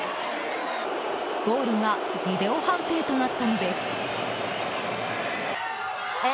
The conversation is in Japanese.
ゴールがビデオ判定となったのです。